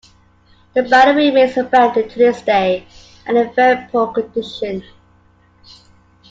The battery remains abandoned to this day and in very poor condition.